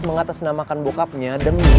mengatasnamakan bokapnya demi